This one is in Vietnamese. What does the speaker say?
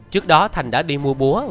trước đó thành đã đi mua búa